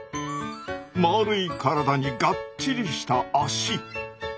まるい体にがっちりした足。